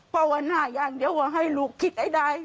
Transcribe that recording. เพราะวันน่าย่างเดียวว่าให้ลูกคิดได้